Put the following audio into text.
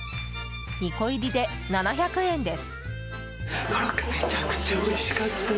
２個入りで７００円です。